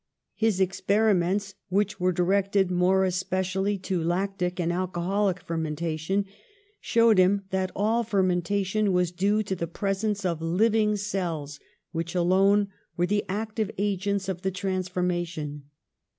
His experiments, which were directed more especially to lactic and alcoholic fermentation, showed him that all fermentation was due to the presence of living cells which alone were the active agents of the transformation.